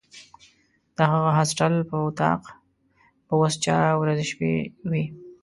د هغه هاسټل په وطاق به اوس چا ورځې شپې وي.